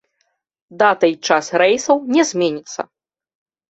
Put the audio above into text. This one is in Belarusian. Дата і час рэйсаў не зменіцца.